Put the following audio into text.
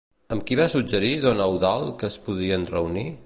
Amb qui va suggerir don Eudald que es podien reunir?